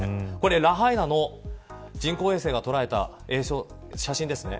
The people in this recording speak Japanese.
ラハイナの人工衛星が捉えた写真ですね。